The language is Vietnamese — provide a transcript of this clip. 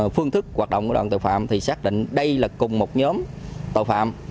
phương thức hoạt động của đoạn tội phạm thì xác định đây là cùng một nhóm tội phạm